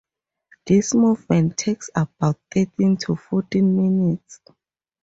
This movement takes about thirteen to fourteen minutes.